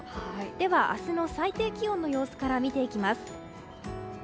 では明日の最低気温の様子から見ていきます。